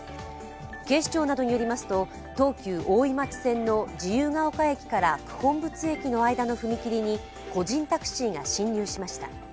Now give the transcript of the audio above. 警視庁などによりますと東急大井町線の自由が丘駅から九品仏駅の間の踏切に個人タクシーが進入しました。